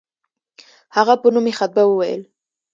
هغه په نوم یې خطبه وویل.